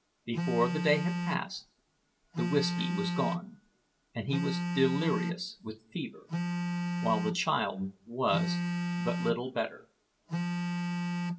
Before the day had passed the whisky was gone and he was delirious with fever, while the child was but little better.